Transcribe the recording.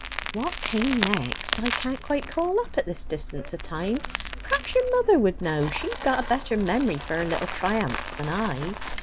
... What came next I can't quite call up at this distance o' time. Perhaps your mother would know, she's got a better memory for her little triumphs than I.